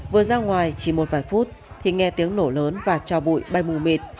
vừa ra ngoài chỉ một vài phút thì nghe tiếng nổ lớn và cho bụi bay mù mịt